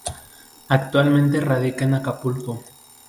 Actualmente radica en Acapulco.